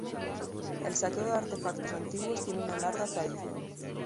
El saqueo de artefactos antiguos tiene una larga tradición.